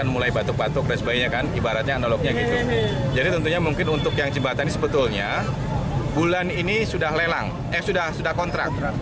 mulai batuk batuk dan sebagainya kan ibaratnya analognya gitu jadi tentunya mungkin untuk yang jembatan ini sebetulnya bulan ini sudah lelang eh sudah sudah kontrak